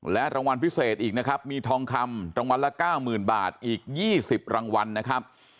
รางวัลพิเศษอีกนะครับมีทองคำรางวัลละ๙๐๐บาทอีก๒๐รางวัลนะครับ